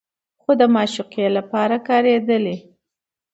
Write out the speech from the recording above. خو د معشوقې لپاره کارېدلي